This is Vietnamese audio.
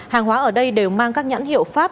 hàng hóa ở đây đều mang các nhãn hiệu pháp